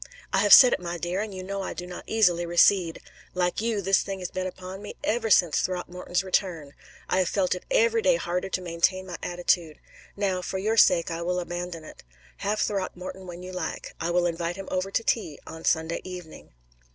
"I have said it, my dear, and you know I do not easily recede. Like you, this thing has been upon me ever since Throckmorton's return. I have felt it every day harder to maintain my attitude. Now, for your sake, I will abandon it. Have Throckmorton when you like. I will invite him over to tea on Sunday evening."